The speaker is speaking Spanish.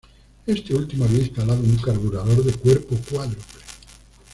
Este último había instalado un carburador de cuerpo cuádruple.